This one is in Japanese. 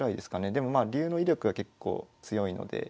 でもまあ竜の威力が結構強いので。